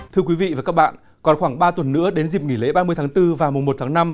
thưa quý vị và các bạn còn khoảng ba tuần nữa đến dịp nghỉ lễ ba mươi tháng bốn và mùa một tháng năm